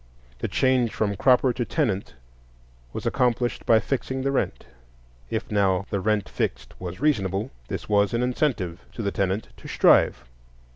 The change from cropper to tenant was accomplished by fixing the rent. If, now, the rent fixed was reasonable, this was an incentive to the tenant to strive.